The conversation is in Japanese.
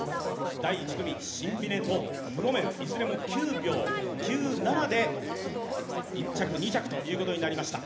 第１組、シンビネとブロメル、いずれも９秒９７で１着、２着ということになりました。